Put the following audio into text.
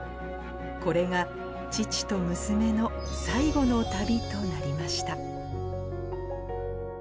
これが父と娘の最後の旅となりました。